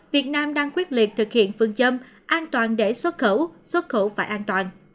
việt nam đang quyết liệt thực hiện phương châm an toàn để xuất khẩu xuất khẩu phải an toàn